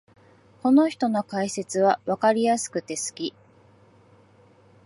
この人の解説はわかりやすくて好き